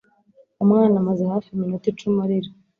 Umwana amaze hafi iminota icumi arira